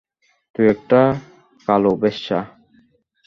তুই একটা কালো বেশ্যা!